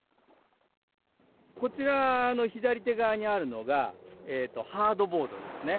こちらの左手側にあるのが、ハードボードですね。